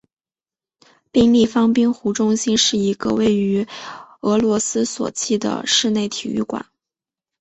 冰立方冰壶中心是一个位于俄罗斯索契的室内体育馆。